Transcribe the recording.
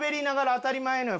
当たり前ですよ！